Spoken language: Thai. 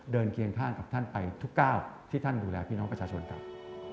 เคียงข้างกับท่านไปทุกก้าวที่ท่านดูแลพี่น้องประชาชนครับ